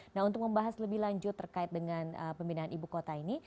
nah untuk membahas lebih lanjut terkait dengan pemindahan ibu kota ini